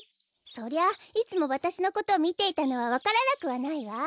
そりゃいつもわたしのことをみていたのはわからなくはないわ。